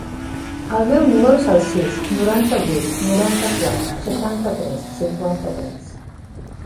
El meu número es el sis, noranta-vuit, noranta-quatre, seixanta-tres, cinquanta-tres.